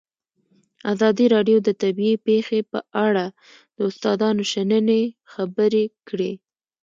ازادي راډیو د طبیعي پېښې په اړه د استادانو شننې خپرې کړي.